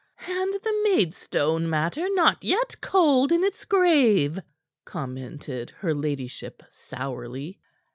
"And the Maidstone matter not yet cold in its grave!" commented her ladyship sourly.